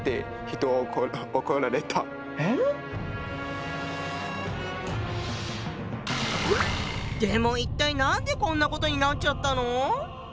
ええっ⁉でも一体何でこんなことになっちゃったの？